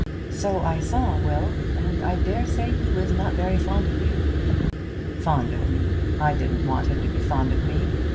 "So I saw Will; and I dare say he was not very fond of you." "Fond of me! I didn't want him to be fond of me.